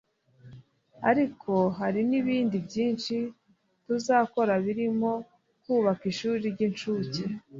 ariko hari n’ibindi byinshi tuzakora birimo kubaka ishuri ry’incuke